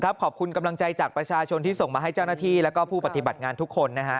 ขอบคุณกำลังใจจากประชาชนที่ส่งมาให้เจ้าหน้าที่แล้วก็ผู้ปฏิบัติงานทุกคนนะฮะ